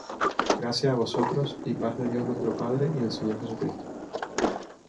Gracia á vosotros y paz de Dios nuestro Padre, y del Señor Jesucristo.